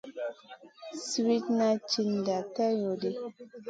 Siwitna tchiwda tay lo ɗi.